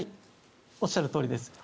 おっしゃるとおりです。